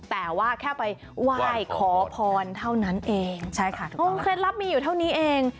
แต่ว่าแค่ไปไหว้ขอพรเท่านั้นเองใช่ค่ะองค์เคล็ดลับมีอยู่เท่านี้เอง